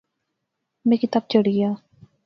میں کی تپ چڑھی گیا